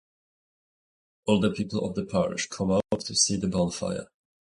All the people of the parish come out to see the bonfire.